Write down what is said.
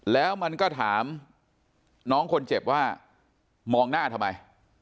แล้วมันก็ถามน้องคนเจ็บว่ามองหน้าทำไม